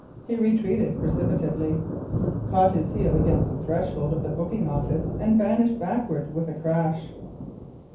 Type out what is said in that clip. He retreated precipitately, caught his heel against the threshold of the booking office and vanished backwards with a crash.